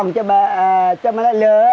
ông cha mê đeo